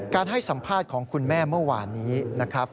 ให้สัมภาษณ์ของคุณแม่เมื่อวานนี้นะครับ